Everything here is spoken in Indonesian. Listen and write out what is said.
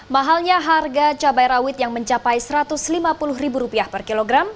mahalnya harga cabai rawit yang mencapai satu ratus lima puluh ribu rupiah per kilogram